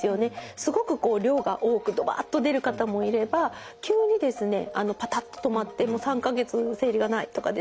すごく量が多くドバッと出る方もいれば急にですねパタッと止まって３か月生理がないとかですね